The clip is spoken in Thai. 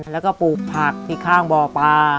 แล้วก็ปลูกผักที่ข้างบ่อปลา